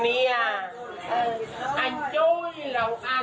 มีเกียรติการ